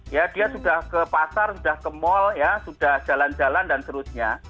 ya dia sudah ke pasar sudah ke mall ya sudah jalan jalan dan seterusnya